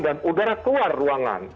dan udara keluar ruangan